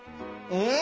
うん。